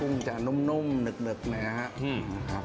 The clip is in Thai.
แม่กุ้งจะนุ่มนึกแม่นะครับ